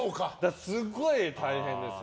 すごい大変です。